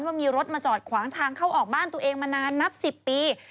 ว่ามีรถมาจอดขวางทางเข้าออกบ้านตัวเองมานานนับ๑๐ปี